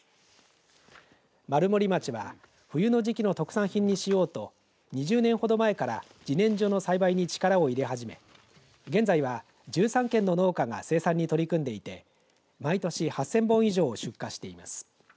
丸森町は冬の時期の特産品にしようと２０年ほど前からじねんじょの栽培に力を入れ始め現在は１３軒の農家が生産に取り組んでいて毎年８０００本以上を出荷しています。